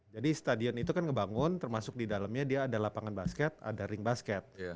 jadi stadion itu kan ngebangun termasuk di dalemnya dia ada lapangan basket ada ring basket